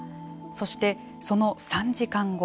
そして、その３時間後。